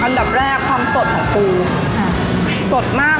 ค่ะใช่ค่ะใช่ค่ะอันดับแรกความสดของกูสดมาก